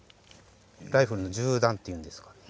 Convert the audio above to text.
ライフルの銃弾というんですかね。